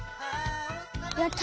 やった！